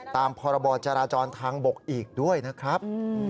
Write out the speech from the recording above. ตามพรบจราจรทางบกอีกด้วยนะครับ